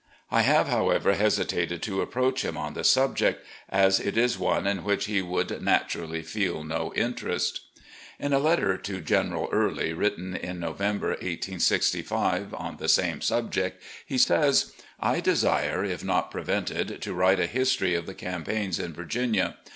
I have, however, hesitated to approach him on the subject, as it is one in which he would nattirally feel no interest." In a letter to General Early, written in November, 1865, on the same subject, he says: "... I desire, if not prevented, to write a history of the campaigns in Virginia.